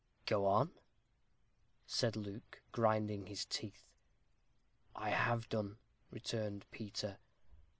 "Go on," said Luke, grinding his teeth. "I have done," returned Peter.